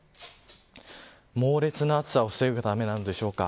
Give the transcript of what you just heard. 猛烈な暑さを防ぐためなんでしょうか。